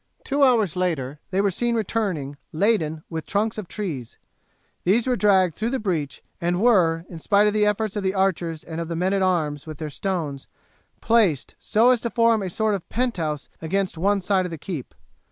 Two hours later they were seen returning laden with trunks of trees. These were dragged through the breach, and were, in spite of the efforts of the archers and of the men at arms with their stones, placed so as to form a sort of penthouse against one side of the keep.